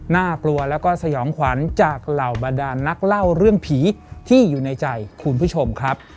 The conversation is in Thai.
น่ากลัวแล้วก็สยองขวัญจากเหล่าบรรดานนักเล่าเรื่องผีที่อยู่ในใจคุณผู้ชมครับ